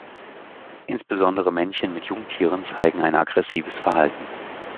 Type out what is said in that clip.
Insbesondere Männchen mit Jungtieren zeigen ein aggressives Verhalten.